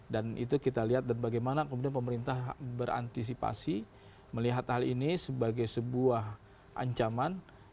dan itu kita lihat dan bagaimana pemerintah berantisipasi melihat hal ini sebagai sebuah ancaman